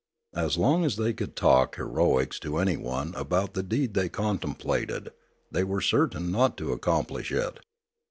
As long as they could talk heroics to anyone about the deed they contemplated, they were certain not to accomplish it.